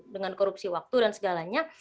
dengan korupsi waktu dan segalanya